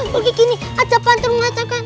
lagi gini aja pantur ngata kan